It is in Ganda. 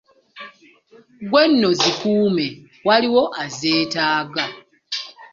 "Gwe nno zikuume , waliwo azeetaaga."